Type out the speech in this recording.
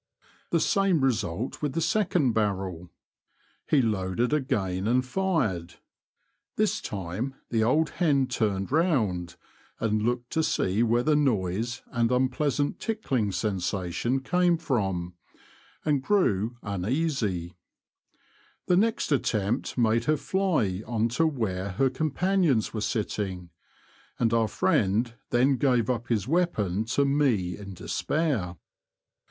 The same result with the second barrel. He loaded again and fired. This time the old hen turned round, and looked to see where the noise and unpleasant tickling sensation came from, and grew un easy ; the next attempt made her fly on to where her companions were sitting, and our friend then gave up his weapon to me in despair.